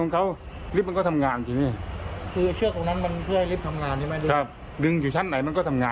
เขาก็ถึงแต่งแก่ไฟก่อนนะ